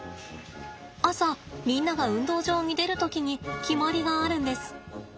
朝みんなが運動場に出る時に決まりがあるんです。